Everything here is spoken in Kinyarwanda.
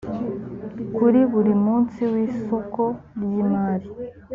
kuri buri munsi w isoko ry’imari